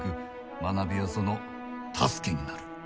学びはその助けになる。